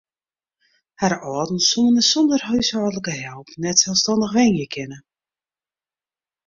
Har âlden soene sûnder húshâldlike help net selsstannich wenje kinne.